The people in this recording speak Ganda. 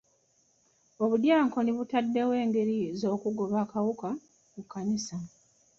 Obudyankoni butaddewo engeri z'okugoba akawuka mu kkanisa.